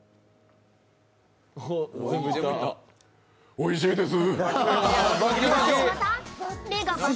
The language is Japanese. おいしいです！